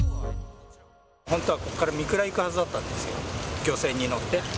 本当はここから御蔵行くはずだったんですよ、漁船に乗って。